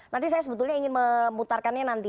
nanti saya sebetulnya ingin memutarkannya nanti